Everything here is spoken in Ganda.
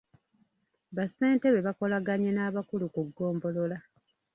Bassentebe bakolaganye n’abakulu ku ggombolola.